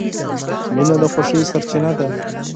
• مینه د خوښۍ سرچینه ده.